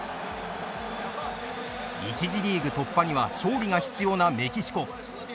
１次リーグ突破には勝利が必要なメキシコ。